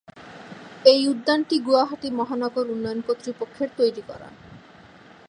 এই উদ্যানটি গুয়াহাটি মহানগর উন্নয়ন কর্তৃপক্ষের তৈরি করা।